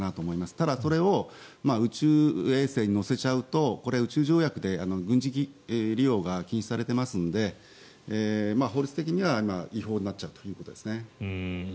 ただ、それを宇宙衛星に載せちゃうとこれは宇宙条約で軍事利用が禁止されていますので法律的には違法になっちゃうということですね。